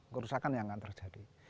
kerusakan yang akan terjadi